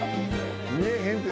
見えへんて。